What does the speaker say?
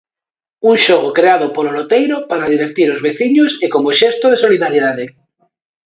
Un xogo creado polo loteiro para divertir os veciños e como xesto de solidariedade.